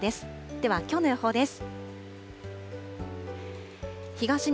ではきょうの予報です。